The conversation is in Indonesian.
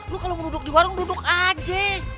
lo kalo mau duduk di warung duduk aja